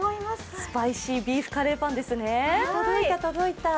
スパイシービーフカレーパンですね。